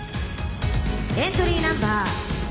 ・エントリーナンバー。